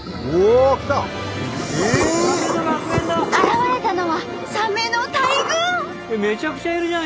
現れたのはサメの大群！